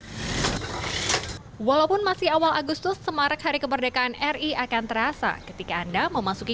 walaupun masih awal agustus semarak hari kemerdekaan ri akan terasa ketika anda memasuki